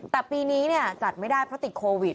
แต่ปีนี้จัดไม่ได้เพราะติดโควิด